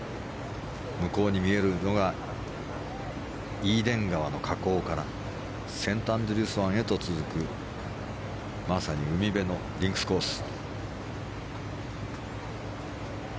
向こうに見えるのがイーデン川の河口からセントアンドリュース湾へと続くまさに海辺のリンクスコース。